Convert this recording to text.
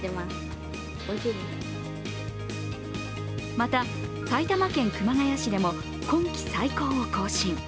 また埼玉県熊谷市でも今季最高を更新。